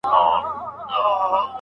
وطن ته په ستنولو مجبورول.